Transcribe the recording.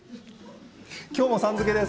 きょうも、さん付けです。